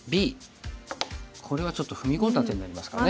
これはちょっと踏み込んだ手になりますかね。